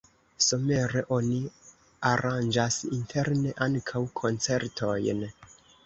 Somere oni aranĝas interne ankaŭ koncertojn.